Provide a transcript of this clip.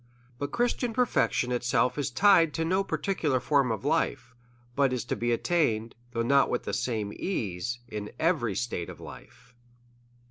But Christian perfection itself is tied to no particular form of life ; but is to be attained, though not with the same ease, in every state of life.